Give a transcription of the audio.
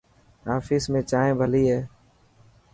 آفيس ۾ چائنا ڀلي هي.